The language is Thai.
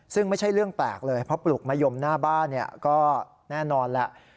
ซึ่งไม่ใช่เรื่องแปลกเลยเพราะปลูกมะยมหน้าบ้านก็แน่นอนแหละ